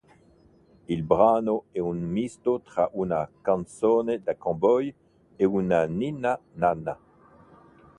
Il brano è un misto tra una "canzone da cowboy" e una ninna nanna.